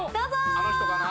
あの人かな？